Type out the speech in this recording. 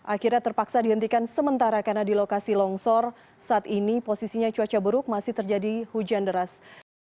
akhirnya terpaksa dihentikan sementara karena di lokasi longsor saat ini posisinya cuaca buruk masih terjadi hujan deras